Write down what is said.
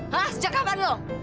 hah sejak kapan lo